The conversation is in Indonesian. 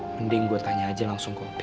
mending gue tanya aja langsung ke opi